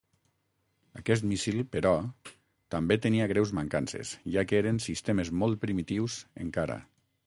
Aquest míssil però, també tenia greus mancances, ja que eren sistemes molt primitius, encara.